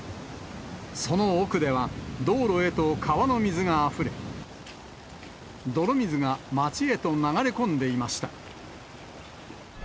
その奥では、道路へと川の水があふれ、泥水が町へと流れ込んでいました。